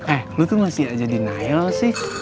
eh lu tuh masih aja denial sih